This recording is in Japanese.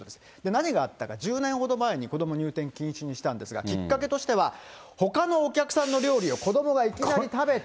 何があったか、１０年ほど前に、子ども入店禁止にしたんですが、きっかけとしては、ほかのお客さんの料理を子どもがいきなり食べた。